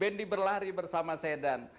bnd berlari bersama sedan